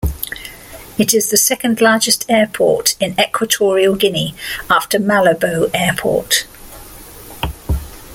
It is the second largest airport in Equatorial Guinea, after Malabo Airport.